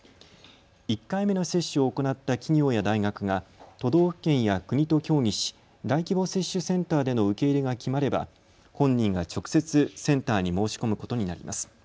１回目の接種を行った企業や大学が都道府県や国と協議し大規模接種センターでの受け入れが決まれば本人が直接、センターに申し込むことになります。